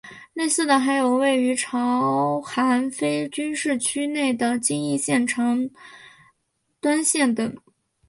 类似的还有位于朝韩非军事区内的京义线长湍站等。